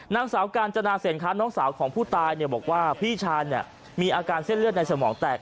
นางสาวกาญจนาเศรษฐน้องสาวของผู้ตายบอกว่าพี่ชายเนี่ยมีอาการเส้นเลือดในสมองแตก